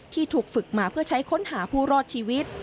ที่ถูกฝึกมาเพื่อใช้ค้นหาผู้รอดชีวิต